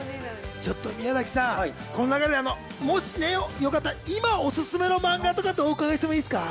ちょっと宮崎さんもしよかったら今オススメのマンガとかってお伺いしてもいいっすか？